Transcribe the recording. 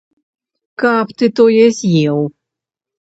Каб ты тое з'еў!